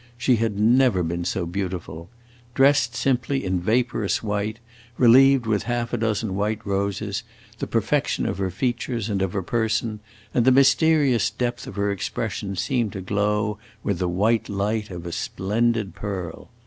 She had never been so beautiful. Dressed simply in vaporous white, relieved with half a dozen white roses, the perfection of her features and of her person and the mysterious depth of her expression seemed to glow with the white light of a splendid pearl.